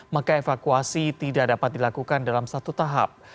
maka evakuasi tidak dapat dilakukan dalam satu tahap